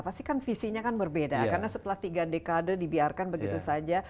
pasti kan visinya kan berbeda karena setelah tiga dekade dibiarkan begitu saja